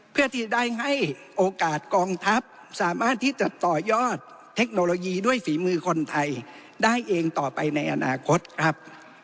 เพื่อที่ได้ให้โอกาสกองทัพสามารถที่จะต่อยอดเทคโนโลยีด้วยฝีมือคนไทยได้เองต่อไปในอนาคตครับ